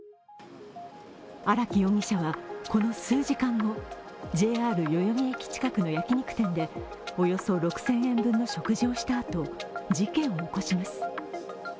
荒木容疑者はこの数時間後ＪＲ代々木駅近くの焼き肉店でおよそ６０００円分の食事をしたあと、事件を起こします。